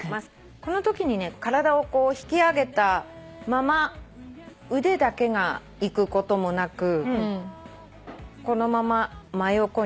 このときにね体を引き上げたまま腕だけがいくこともなくこのまま真横に。